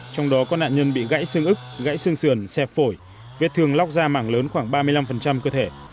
trong đó có nạn nhân bị gãy xương ức gãy xương sườn xẹp phổi viết thương lóc ra mảng lớn khoảng ba mươi năm cơ thể